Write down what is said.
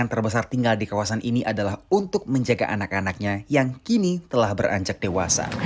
yang terbesar tinggal di kawasan ini adalah untuk menjaga anak anaknya yang kini telah beranjak dewasa